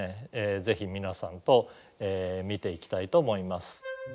ぜひ皆さんと見ていきたいと思います。